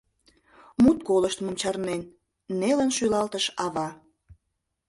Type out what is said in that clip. — Мут колыштмым чарнен, — нелын шӱлалтыш ава.